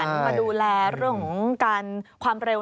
มาดูแลเรื่องของการความเร็ว